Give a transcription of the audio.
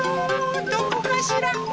どこかしら？